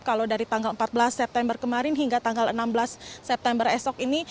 kalau dari tanggal empat belas september kemarin hingga tanggal enam belas september esok ini